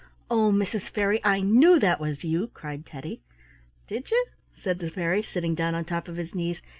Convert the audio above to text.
"Oh, Mrs. Fairy, I knew that was you!" cried Teddy. "Did you?" said the fairy, sitting down on top of his knees.